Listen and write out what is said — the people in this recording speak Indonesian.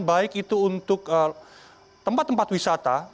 baik itu untuk tempat tempat wisata